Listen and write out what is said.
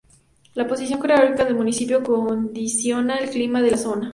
La posición geográfica del municipio condiciona el clima de la zona.